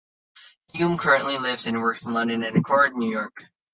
Hume currently lives and works in London and Accord, New York.